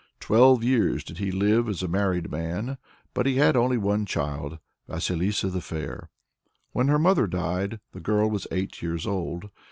Twelve years did he live as a married man, but he had only one child, Vasilissa the Fair. When her mother died, the girl was eight years old.